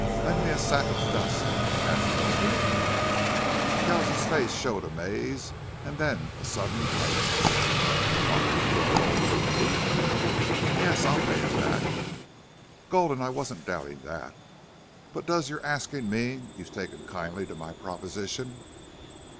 "Lend me a sack of dust?" asked Gulden. Kells's face showed amaze and then a sudden brightness. "What! You want gold from me?" "Yes. I'll pay it back." "Gulden, I wasn't doubting that. But does your asking mean you've taken kindly to my proposition?"